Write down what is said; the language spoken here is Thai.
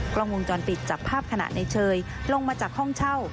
กล้องวงจรปิดจับภาพขณะในเชยลงมาจากห้องเช่า